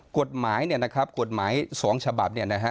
กฎหมายเนี่ยนะครับกฎหมาย๒ฉบับเนี่ยนะฮะ